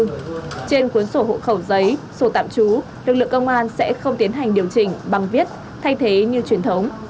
trên cuốn sổ hộ khẩu giấy sổ tạm trú lực lượng công an sẽ không tiến hành điều chỉnh bằng viết thay thế như truyền thống